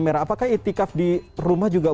merah apakah itikaf di rumah juga